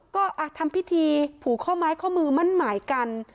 ก็ทำพิธีผูกข้อไม้ข้อมือมั่นหมายกัน